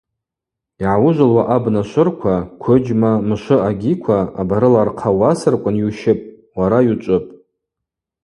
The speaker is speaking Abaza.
Йгӏауыжвылуа абна швырква: квыджьма, мшвы агьиква – абарыла рхъа уасырквын йущыпӏ, уара йучӏвыпӏ.